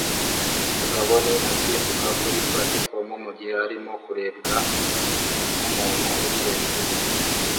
Umugabo ni asimbuka kuri platifomu mugihe arimo kurebwa numuntu uri hejuru ye